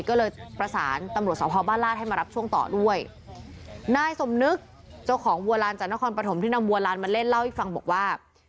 ก็เลยประสานตำรวจสพบ้านลาดให้มารับช่วงต่อด้วยนายสมนึกเจ้าของวัวลานจากนครปฐมที่นำบัวลานมาเล่นเล่าให้ฟังบอกว่า